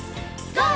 ＧＯ！